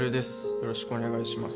よろしくお願いします